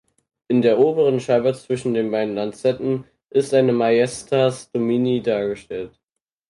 In der oberen Scheibe zwischen den beiden Lanzetten ist eine Majestas Domini dargestellt.